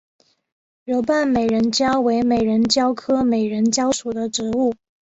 柔瓣美人蕉为美人蕉科美人蕉属的植物。